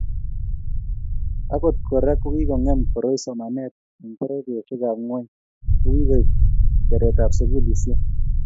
Agot Kora kokikongem koroi somanet eng pororiosiekab ngwony ko ki koib keretab sukulisiek